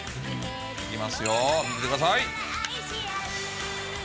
いきますよ、見ててください。